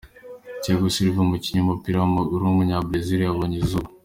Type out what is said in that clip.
Thiago Silva, umukinnyi w’umupira w’amaguru w’umunyabrazil yabonye izuba.